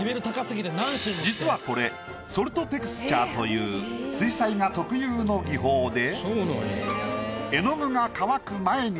実はこれソルトテクスチャーという水彩画特有の技法で。